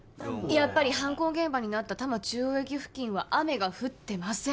やっぱり犯行現場になった多摩中央駅付近は雨が降ってません